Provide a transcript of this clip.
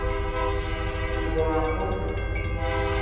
Mvoñ abokh.